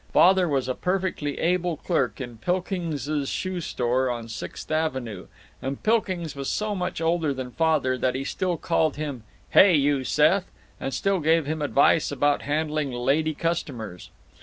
Father was a perfectly able clerk in Pilkings's shoe store on Sixth Avenue, and Pilkings was so much older than Father that he still called him, "Hey you, Seth!" and still gave him advice about handling lady customers.